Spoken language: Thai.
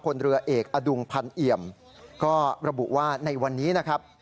เรือเอกอดุงพันธ์เอี่ยมก็ระบุว่าในวันนี้นะครับ